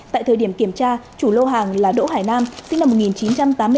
tại thời điểm kiểm tra chủ lô hàng là đỗ hải nam sinh năm một nghìn chín trăm tám mươi tám